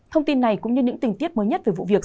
thông tin này cũng như những tình tiết mới nhất về vụ việc